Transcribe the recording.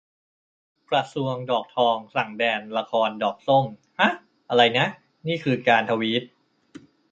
กระทรวงดอกทองสั่งแบนละครดอกส้ม ห๊ะ ! อะไรนะ ! ? นี่คือการทวีต